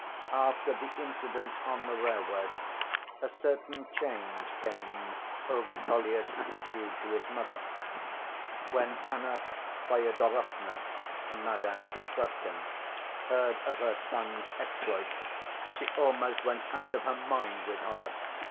After the incident on the railway a certain change came over Kolya's attitude to his mother. When Anna Fyodorovna (Madame Krassotkin) heard of her son's exploit, she almost went out of her mind with horror.